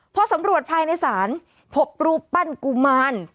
พอสำรวจภายในศาลพบรูปปั้นกุมาร